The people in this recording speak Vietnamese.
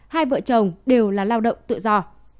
hai vợ chồng đều là lao động tự do